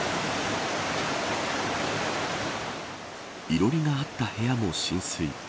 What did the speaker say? いろりがあった部屋も浸水。